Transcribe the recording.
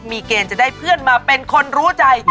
มีเกณฑ์จะได้เพื่อนมาเป็นคนรู้ใจ